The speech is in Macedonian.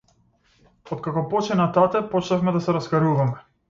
Откако почина тате, почнавме да се раскаруваме.